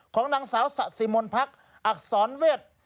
ของนางสาวสะสิมนต์พักอักษรเวท